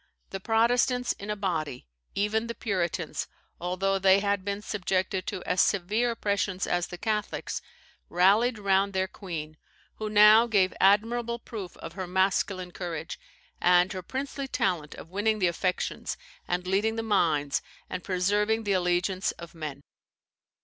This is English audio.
The Protestants in a body, even the Puritans, although they had been subjected to as severe oppressions as the Catholics, rallied round their queen, who now gave admirable proof of her masculine courage, and her princely talent of winning the affections, and leading the minds, and preserving the allegiance of men."